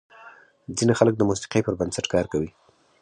ځینې خلک د موسیقۍ پر بنسټ کار کوي.